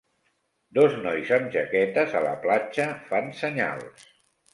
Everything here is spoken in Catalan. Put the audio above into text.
Dos nois amb jaquetes a la platja fan senyals.